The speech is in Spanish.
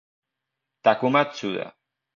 Takuma Tsuda